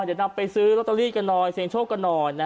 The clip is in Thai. เดี๋ยวนำไปซื้อลอตเตอรี่กันหน่อยเสียงโชคกันหน่อย